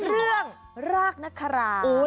เรื่องรากนักครา